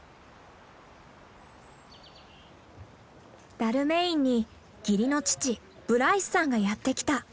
ダルメインに義理の父ブライスさんがやって来た。